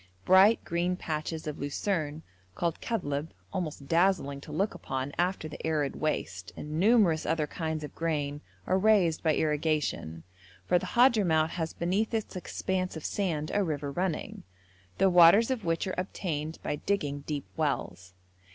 Bright green patches of lucerne called kadhlb, almost dazzling to look upon after the arid waste, and numerous other kinds of grain are raised by irrigation, for the Hadhramout has beneath its expanse of sand a river running, the waters of which are obtained by digging deep wells.